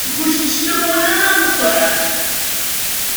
"Puśćcie moje ręce!"